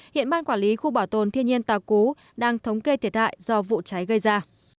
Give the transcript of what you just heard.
hiện ban quản lý khu bảo tồn thiên nhiên tà cú đang thống kê thiệt hại do vụ cháy gây ra